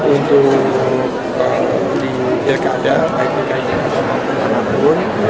untuk di jakarta baik di kenya sama kemana pun